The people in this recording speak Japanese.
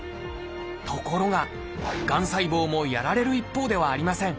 ところががん細胞もやられる一方ではありません。